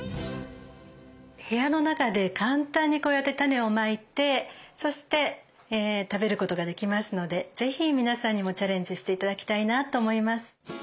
部屋の中で簡単にこうやって種をまいてそして食べることができますので是非皆さんにもチャレンジして頂きたいなと思います。